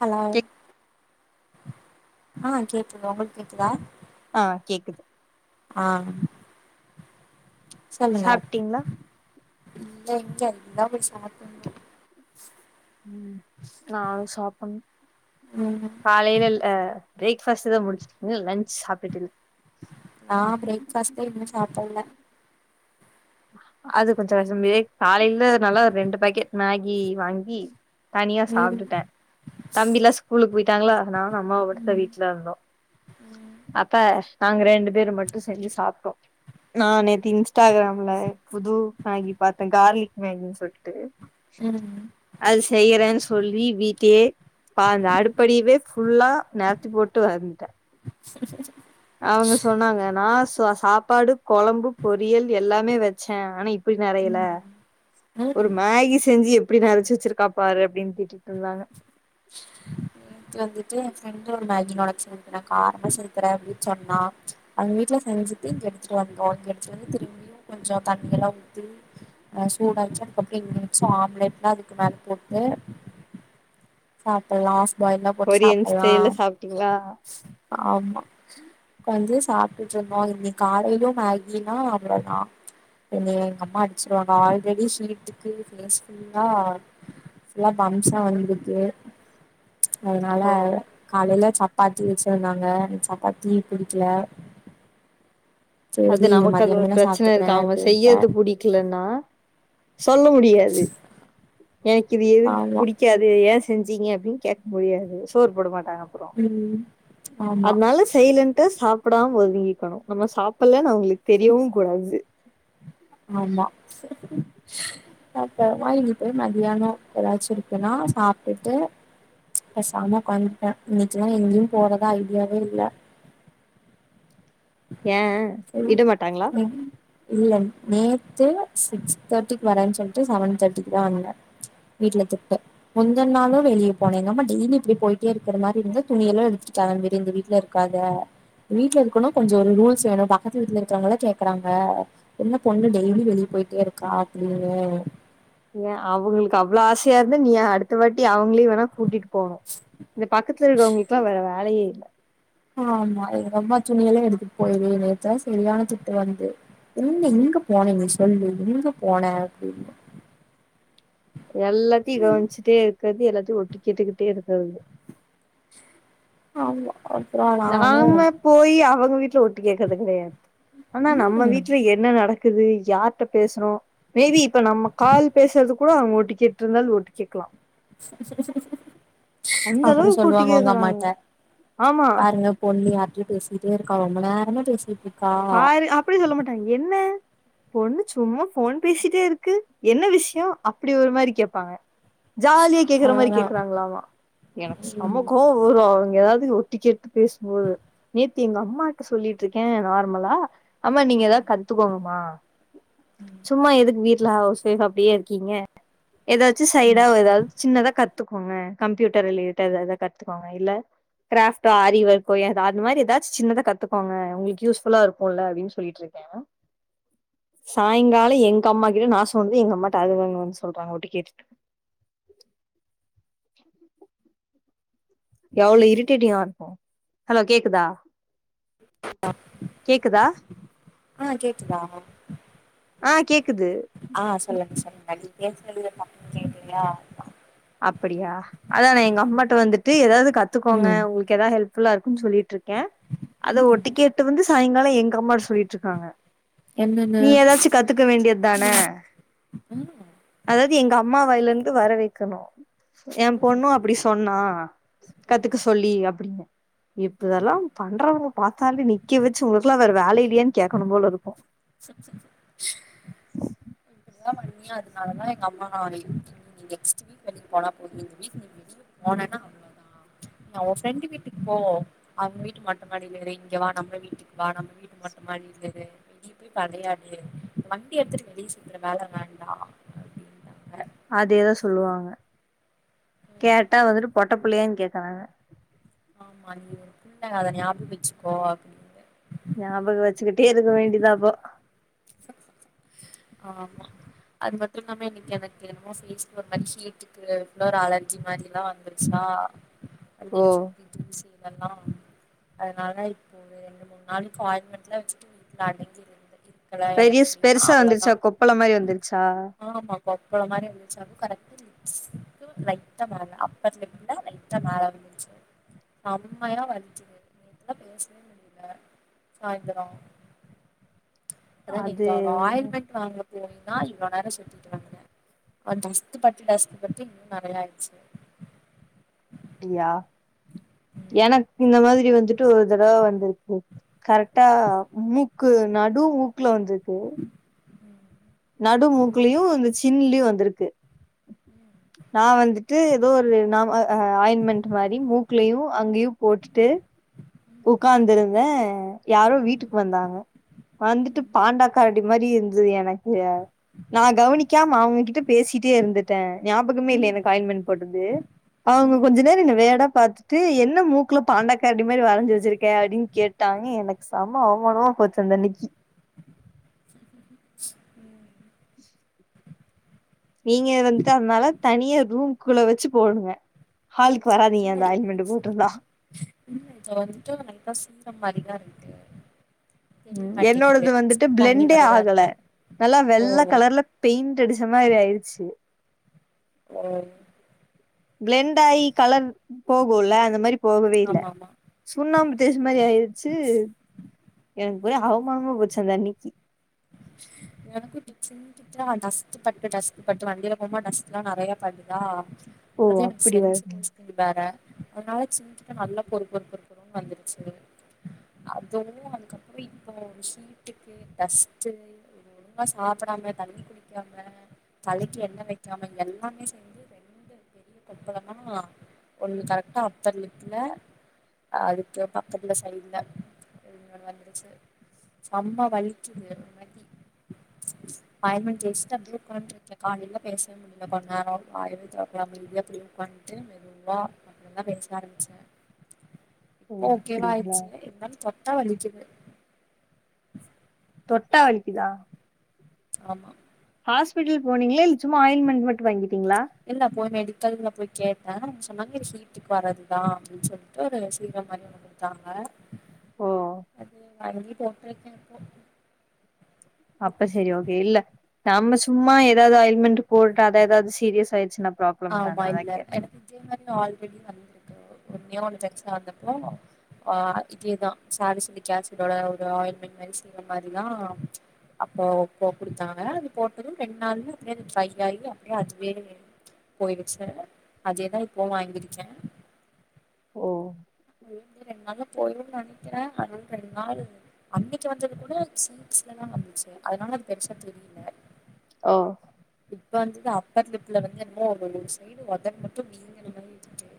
Hello. கேக் ஆஹ கேக்குது உங்களுக்கு கேக். குதா. ஆஹ கேக்குது. ஆஹ. சாப்ட்டீங்களா. இல்ல இங்க இனிதா போய் சாப். பனு. ம் காலையில்ல அஹ. பிரேக்ஃபாஸ்ட்தா முடிச்சுட்டீங்கள லன்ச் சாப்புட்டுங்க. நா பிரேக்பாஸ்ட்டே இன்னு சாப்புல்ல. அது கொஞ்சோ கஷ்டம் பிரேக் காலையிலதா நல்லா ரெண்டு பாக்கெட் மேகி வாங்கி. தனியா ம் சாப்ட்டுட்ட. தம்பில்லா ஸ்கூலுக்கு போயி. டாங்களா. நா அம்மா மட்டுதா ம் வீட்டுல இருந்தோ அப்ப. அங்க ரெண்டு. பேர் மட்டு செஞ்சு சாப்ட்டோ. நா நேத்து இன்ஸ்டாகிராம். ல புது மேகி பாத்த கார்லிக் மேகின்னு சொல்லிட்டு. உஹம். செய்யறேன்னு சொல்லி வீட்டயே அந்த அடிப்படியவே ஃபுல்லா நரத்தி போட்டு வன்ட்ட. [unintelligible] அவங்க சொன்னாங்க நாச். நா சாப்பாடு, கொழம்பு, பொரியல் எல்லாமே வச்ச ஆனா இப். அப்படி நெறையல. ஒரு மேகி செஞ்சு. அப்படி நெரச்சு வச்சிருக்கா பாரு அப்படின்னு திட்டிக்கிட்டு இருந்தாங்க த்து வந்துட்டு என் ஃப்ரெண்டு ஒரு மேகினோட நூடுல்ஸ் செஞ்சி தரேன் காரமா செலுத்துறேன் அப்படின்னு சொன்னா அவங்க வீட்டுல செஞ்சுட்டு இங்க எடுத்துட்டு வந்தோ அவங்க எடுத்துட்டு வந்து திரும்பியும் கொஞ்சம் தண்ணி எல்லாம் ஊத்தி அ சடாச்சு அதுக்கப்புறம் எங்கச்சும் ஆம்லேட் எல்லாம் அதுக்கு மேல போட்டு சாப்பலா பாயி போட்டு கொரியன் ஸ்டைல்ல சாப்படலாம் சாப்ட்டீங்களா ஆமா [unintelligible] சாப்பிட்டுட்டு இருந்தோம் இன்று காலையிலும் மேகினா அவ்வளவுதான் என் எங்க அம்மா அடிச்சிருவாங்க ஆல்ரெடி ஸ்வீட்டுக்கு ஸ் ஃபுல்லா பம்ப்ஸா வந்துட்டு அதனால ஓ காலையில சாப் சப்பாத்தி வச்சிருந்தாங்க எனக்கு சப்பாத்தி குடிக்கல அது நமக்கு அது ஒரு பிரச்சன இருக்கு அவங்க அப்டின்ட்டே செய்யறது பிடிக்கலன்னா சொல்ல முடியாது எனக்கு இது எது ஆமா பிடிக்காது ஏ செஞ்சீங்க அப்படின்னு கேட்க முடியாது சோறு போடுமா அப்புறம் ம் ஆமா அதனால சைலன்டா சாப் அப்பான் ஒதுங்கிக்கணும் நம்ம சாப் அப்பல்லாம் ந அவங்களுக்கு தெரியவும் கூடாது ஆமா அப்புறமா இங்கி போய் மதியானம் ஏதாச்சும் இருக்குன்னா சாப்பிட்டுட்டு பேசாம உட்காந்துட்டேன் இன்னைக்கெல்லாம் எங்கேயும் போறத ஐடியாவே இல்ல ஏ சரி விட மாட்டாங்களா இல்ல நேத்து சிக்ஸ் தேர்ட்டிக்கு வரேன்னு சொல்லிட்டு செவன் தேர்ட்டிக்கு தான் வந்தேன் வீட்டுல திட்டு முந்த நாளும் வெளியே போனேன் எங்கம்மா டெய்லி இப்படி போயிட்டே இருக்கிற மாதிரி இருந்த துணிய எல்லாம் எடுத்துட்டு கிளம்பிடு இந்த வீட்டுல இருக்காத வீடல இருக்கணு கொஞ்ச ஒரு ரூல்ஸ் வேணும் பக்கத்து வீட்டுல இருக்கறாங்களாம் கேக்குறாங்க என்ன பொண்ணு டெய்லி வெளியே போயிட்டே இருக்கா அப்படின்னு ஏன் அவங்களுக்கு அவ்வளவு ஆசையா இருந்தா நீ அடுத்த வாட்டி அவங்களே வேணா கூட்டிடு போணு இந்த பக்கத்துல இருக்கிறவங்களுக்கல வேற வேலையே இல்ல ஆமா எங்க அம்மா துணிய எல்லாம் எடுத்துட்டு போயிருது நேத்தான் சரியான திட்டு வந்து என்ங்க இங்க போனே நீ சொல்லு இங்க போன அப்படின்னு எல்லாத்தையும் கவனிச்சுட்டே இருக்கறது எல்லாத் ஒட்டிக்கிட்டுக்கிட்டே இருக்கிறது ஆமா ஒ நாம போய் அவங்க விட் ஒட்டு கேட்கிறது கிடையாது ஆனா நம்ம ம் வீட்டுல என்ன நடக் இருக்து யார்கிட்ட பேசுறோ மேபி நம்ம கால் பேசுறதுக் கூட கூட அவங்க ஓட்டு கேட்டு இருந்தாலு ஓட்டு கேட்கலா சச அந்த அப்போறோம் அளவுக்கு ஒட்டு சொல்லுவாங்க உங்க கேக்குறாங்க அம்மக்கிட்ட ஆமா பாருங்க பொண்ணு யார்டோயோ பேசிட்டே இருக்கா ரொம்ப நேரம ச [inaudible] பாரு அப்படி சொல்ல மாட்டாங்க என்ன பொண்ணு சும்மா போன் பேசிட்டே இருக்கு என்ன விஷயம் அப்படி ஒரு மாரி கேட்பாங்க ஜாலியா கேக்குற மாரி அவ்ளோதா கேக்குறாங்களாமா எனக்கு சம்ம ம் கோவம் அவங்க ஏதாவது இது ஒட்டிக் கேட்டு பேசும்போது. நேத்து எங்க அம்மாக்கிட்ட சொல்லிட்டு இருக்க. [unintelligible] நம்மளா. அம்மா நீங்க ஏதாவது கத்துக்கோங்கம்மா. சும்மா எதுக்கு வீட். ல ஹவுஸ் வைஃப் அப்படியே இருக்கீங்க. ஏதாச்சும் சைடா ஏதாவது சின்னதா கத். கத்துக்கோங்க கம்ப்யூட்டர் ரிலேட் எதா கத்துக்கோங்க. இல்ல கிராப்ட்டு ஆரி வொர்க் எதாவோ அந்த மாரி ஏதாச்சும் சின்னதா கத்துக்கோங்க உங்களுக்கு யூஸ். புல்லா இருக்கும்ல அப்படின்னு சொல்லிட்ருக்க. சாயங்காலோ எங்க அம்மா கிட்ட நா சொன்னது எங்க அம்மாகிட்ட [unintelligible] சொல்றாங்க ஒட்டு கேட்டுட்டு. எவ்வளோ இரிட்டேட்டிங்கா இருக்கு. ஹலோ கேக்குதா. கேக்குதா. ஆஹ கேக்குதா. ஆஹ கேக். ஆஹ சொல்லுங்க சொல்லுங்க. [unintelligible] ஏ. [unintelligible] அப்படியா அதா நா எங்க அம்மாக்கிட்ட வந்துட்டு ஏதாவது. கத்துக்கோங்க ம் உங்களுக்கு ஏதாவது ஹெல்ப். புல்லா இருக். குனு சொல்லிட்டு இருக்க அத ம் ஒட்டு கேட்டு வந்து. சாயங்காலோ எங்க அம்மாக்கிட்ட சொல்லிட்டு இருக்காங்க. என்னன்னு நீ ஏதாச்சும் கத்துக்க வேண்டியதான. ஆ அதாவது எங்க அம்மா. வாயில இருந்து வர வைக்கணு. என் ம் பொண்ணு அப்படி சொன்னா. ஆ. கத்துக்க சொல்லி அப்படின்னு. இப்ப இதெல்லா பண்றாங்க. பாத்தாலே நிக்க வச்சு உங்களுக்கு எல்லா வேற வேல இல்லையான்னு கேக்கணு போல இருக்கு. [unintelligible] இப்படி எல்லா பண்ணி அதுனாலதா எங்க அம்மா நா நெஸ்ட் வீக் வெளிய போனா போது. இந்த வீக் வெளிய போனேனா அவ்ளோதா. ம்ச் உ ஃப்ரெண்டு வீட்டுக்கு போ அவங்க வீட்டு மொட்ட மாடியில இரு இங்க வா நம்ம வீட்டுக்கு வா நம்ம வீட்டு மொட்ட மாடியில இரு வெளிய. இப்டி கெடையாது. வண்டிய எடுத்துட்டு வெளிய சுத்துற வேல வேண்டா அப்படின்னு. அதேதா சொல்லுவாங்க. ம் கேட்டா வந்து பொட்ட புள்ளையான்னு கேக்குறாங்க. ஆமா நீ ஒரு புள்ள அத ஞாபகோ வச்சுக்கோ அப்படின்னு. ஞாபகோ வச்சுக்கிட்டே இருக்க வேண்டியதாப்போ. ஆமா அது மத். [unintelligible] என்னமோ ஒரு மாரி ஹீட்டுக்கு ஃபுல்லா இவ்வளோ ஒரு அலர்ஜி மாரி எல்லா வந்துருச்சா. ஓ அதிக சக்தி ஜுஸு. இதெல்லா. அதனாலதா இப்போ ரெண்டு மூணு நாளைக்கு ஆயில்மெண்ட்லா வச்சுட்டு வீட்ல அடங்கி இருந்த. களயா. பெரிய பெருசா வந்துருச்சா கொப்பளம் மாரி வந்துருச்சா கொப்பளம் மாரி இருந்துச்சு கரெக்டா ரைட்டா மேல அப்பர்லிப்ல ரைட்டா மேல வந்துடுச்சு செம்மையா வலிச்சது இதா பேசவே முடியல சாய்ந்தரம் அதான் அது நீங்க ஆயல்மெண்ட் வாங்க போனீங்கன்னா இவ்வளோ நேரம் சொல் அந்த டஸ்ட் பட்டு டஸ்ட்க் பத்தி இன்னும் நிறைய ஆயிடுச்சு அப்படியா எனக்கு இந்த மாதிரி வந்துட்டு ஒரு தடவை வந்திருக்கு கரெக்டா மூக்கு நடு மூக்குலே வந்திருக்கு நடுமூக்குலயையும் இந்த சின்லையும் வந்திருக்கு நான் வந்துட்டு ஏதோ ஒரு நா ஆயில்மெண்ட் மாரி மூக்குலயையும் அங்கயும் போட்டுட்டு உக்காந்துருந்தேன் யாரோ வீட்டுக்கு வந்தாங்க வந்துட்டு ம் பாண்டா கரடி மாரி இருந்தது எனக் கு நான் கவனிக்காம அவங்ககிட்ட பேசிட்டே இருந்துட்டேன் ஞாபகமே இல்லைய எனக்கு ஆயின்மென்ட் போட்டது அவங்க ம் கொஞ்ச நேரம் வியடா பாத்துட்டு என்ன மூக்குல பாண்டா கரடி மாரி வரைஞ்சு வச்சிருக்கே அப்படின்னு கேட்டாங்க எனக்கு செம அவமானமா போச்சு அந்த அன்னிக்கி நீங்க வந்துட்டு அதுனால தனிய ரூம்குள்ள வச்சு போடுங்க ஹால் வராதீங்க அந்த ஆயில்மெண்ட் போட் டிர்நா ம் வந்துட்டு நீங்க சொன்ன மாரி தான் இருக்கு தெரிய ம் மாட்டேங்குது என்னோடது வந்துட்டு தண்ணி பிளெண்டே மாரிதா ஆகல இருக்கு நல்லா ஓ வெள்ள கலர்ல பெயிண்ட் அடிச்ச மாரி ஆயிடுச்சு ஆ பிளெண்ட் ஆயி கலர் போகும்ல அந்த மாரி போகவே இல்ல ஆமா ஆமா சுண்ணாம்பு இந்த மாரி ஆயிடுச்சு எனக்கு ஒரே அவமானமா போச்சு அந்த அன்னி ச எனக்கும் ஸ்கின் கிட்ட டஸ்ட் பட்டு டஸ்ட் பட்டு வண்டியில போகும்போது டஸ்ட்லாம் நிறைய படுதா ஓ அதே மாரி அப்டி செம் வருமா [unintelligible] சி வேற அதுனால சீட்டு நல்லா பொறு பொறு பொறுன்னு வந்துருச்சு அதுவும் அதுக்கப்புறம் இப்போ சீட்டுக்கு டஸ்ட் ஒழுங்கா சாப்பிடாம தண்ணி குடிக்காம தலைக்கு எண்ணெய் வைக்காம எல்லாமே சேந்து ரெண்டு பெரிய கொப்பலமா ஒண்ணு கரெக்டா அப்பர்லிப்ல அதுக்கு பக்கத்துல சைடுல வந்துருச்சு செம்ம வலிக்குது ஆயில்மெண்ட் தேச்சிட்டு அப்படியே உட்கந்துட்டு இருக்கேன் காலில பேச முடியல கொஞ்ச நேரம் வாயவே தெறக்கல அமைதி அப்படியே உட்காந்துட்டு மெதுவா அப்பறந்தான் பேச ஆரம்பிச்சேன் ஓ ஓகே அப்டிங்களா வாயிடுச்சு இருந்தாலும் தான் வலிக்குது தொட்டா வலிக்குதா ஆமா ஹாஸ்பிட்டல் போனீங்களா இல்ல சும்மா ஆயில்மென்ட் மட்டும் வாங்கி இல்ல போய் மெடிக்கல்ல போய் கேட்டன் சொன்னாங்க ஹீட்டுக்கு வரதுதான் அப்படின்னு சொல்லிட்டு ஒரு சீரம் மாரி ஓன்னு குடுத்தாங்க ஓ அது வாங்கிடோம் கிடைக்கனுக்கோ அப்ப சரி ஓகே இல்ல நாம சும்மா ஏதாவது அயில்மெண்ட் போட்டு அத ஏதாவது சீரியஸ் ஆயிடுச்சுன்னா ப்ராப்ளம் ஆமா தான அதா இல்ல கேட்டே எனக்கு இதே மாரி ஆல்ரெடி வந். இருக்கு ஒண்ணே ஒண்ணு [unintelligible] வந்தப்போ ஆஹ இதேதா சாரு சொல்லி கேசிடோட ஒரு ஆயில் மென் மாரி சீறம் மாரிதா ம்ச் அப்போ போ குடுத்தாங்க அது போட்டது ரெண்டு நாள்ள அப்படியே அது ட்ரைஆகி அப்படியே அதுவே. போயிருச்சு. அதேதா இப்போம் வாங்கிருக்க. ஓ. அது ரெண்டு நாள்ள போயிருன்னு நெனைக்கிற அதனால ரெண்டு நாளு. அன்னிக்கு வந்தது கூட சீக்ஸ்லதா வந்துச்சு அதனால அது பெருசா தெரியல. ஓ. இப்ப வந்து அது அப்பர்லிப்ல வந்து. [unintelligible] செய்யிடு ஒதடு மட்டு. அப்ப நீங்க நல்ல இருக்க.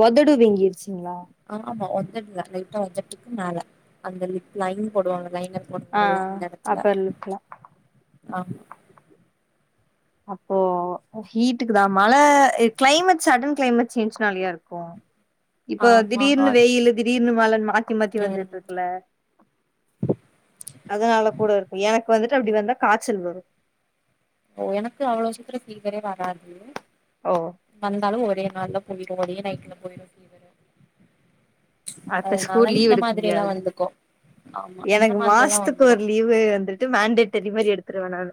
ஒதடு வீங்கிருச்சிங்களா. டுதா லைட்டா ஒதட்டுக்கு மேல அந்த லிப். லைன் போடுவாங்க லைனர் ஆ போடுவாங்கல்ல அந்த எடத்துல. அப்பர் லிப்ல ஆமா. அப்போ ஹீட்டுக்குதா மழ கிளைமேட் சடன் கிளைமேட் சேஞ்சுனாலையா இருக்கு. இப்ப ஆமா திடீர்னு அத் வெயிலு திடீர்னு மழனு மாத்தி மாத்தி ம் வந்துட்டு இருக்குல. அதனால கூட இருக்கு எனக். இப்ப வந்துட்டு அப்படி வந்தா காய்ச்சல் வரு. ஓ எனக்கு அவ்வளோ சீக்கிரோ பீவரே வராது. ஓ வந்தாலு ஒரே. நல்லா போயிரு ஒரே நைட்டுல போயிரு பீவரு. அத்த ஸ்கூல் லீவ் எடுக்க முடியாது. வந்துக்கு ஆமா இந்த எனக்கு மாதிரி எல்லா மாசத்துக்கு வந்துரு ஒரு லீவு வந்துட்டு மேண்டேட்டரி மாதிரி எடுத்துருவ நானு.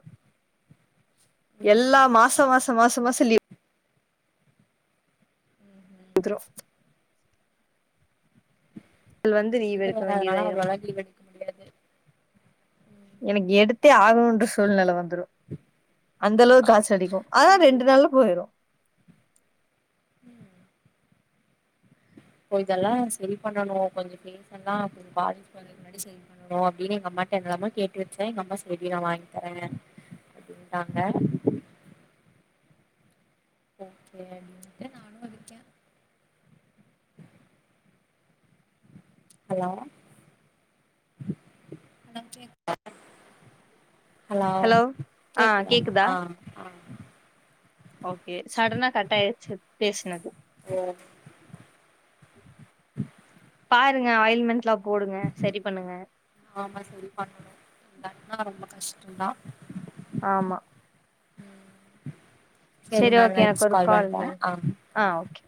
ம் எல்லாம மாசோ மாசோ மாசோ மாசோ லீவ். வந்துரு. கள் வந்து எனக்கு லீவு ஃபீவர் எடுக்க வராதனால வேண்டியதாயிரு. அவ்ளோலா லீவ் எடுக்க முடியாது எனக்கு எடுத்தே ஆகணுன்ற சூழ்நெல வந்துரு. அந்த அளவுக்கு காசு கெடைக்கு. ஆனா ரெண்டு ம் நாள்ல போயிரு. உஹம். இப்போ இதெல்லா செரி பண்ணண கொஞ்சோ பேசலா கொஞ்சோ பாதிக்கு பாதி முன்னாடி செரி பண்ணணு அப்படின்னு எங்க அம்மாட்ட என்ன எல்லாமோ கேட்டு வச்ச எங்க அம்மா செரி வாங்கித்தர அப்படின்ட்டாங்க. ஓகே அப்டிண்டு நானு வந்துருக்க. ஹலோ...... நன்றி அக். ஹலோ ஆ கேக்குதாமா கேக்குதா ஆஹ ஆஹ. ஓகே சடனா கட் ஆயிருச்சு பேசுனது. ஓஹோ. இருங்க ஆயில்மெண்ட்லா. போடுங்க சரி பண்ணுங்க ஆமா செரி பண்ணணு இல்லாட்டினா ரொம்ப கஷ். டந்தா. ஆமா. உம். சேரி ஓகே எனக்கு ஒரு கால் வ ஆ ஆஹ் ஓகே